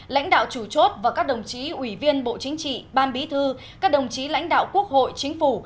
lãnh đạo chủ chốt và các đồng chí ủy viên bộ chính trị ban bí thư các đồng chí lãnh đạo quốc hội chính phủ